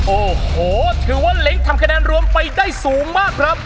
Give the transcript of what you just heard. โอ้โหถือว่าเล้งทำคะแนนรวมไปได้สูงมากครับ